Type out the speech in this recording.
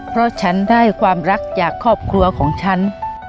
เพราะฉันได้ความรักจากครอบครัวของฉัน